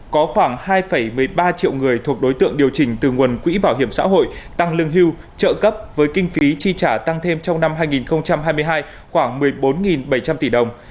có khoảng hai một mươi ba triệu người thuộc đối tượng điều chỉnh từ nguồn quỹ bảo hiểm xã hội tăng lương hưu trợ cấp với kinh phí chi trả tăng thêm trong năm hai nghìn hai mươi hai khoảng một mươi bốn bảy trăm linh tỷ đồng